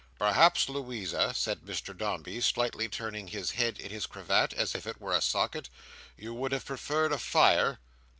"Perhaps, Louisa," said Mr Dombey, slightly turning his head in his cravat, as if it were a socket, "you would have preferred a fire?"